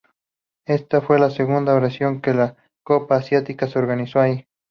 Esta fue la segunda ocasión que la Copa Asiática se organizó allí.